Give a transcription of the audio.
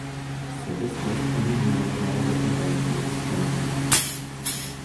Cette espèce est nommée en l'honneur de Robert Mills Tandy.